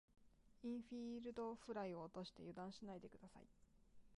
インフィールドフライを落として油断しないで下さい。